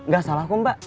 gak salah kok mbak